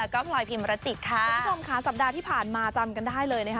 ค่ะค่ะค้าสัปดาห์ที่ผ่านมาจำกันได้เลยนะคะ